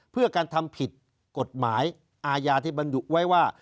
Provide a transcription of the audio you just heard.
เพื่อการทำผิดกฎหมายอาญาที่บรรดุไว้ว่า